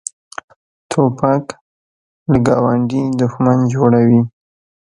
توپک له ګاونډي دښمن جوړوي.